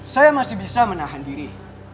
saya masih bisa menahan diri